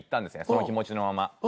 その気持ちのまま。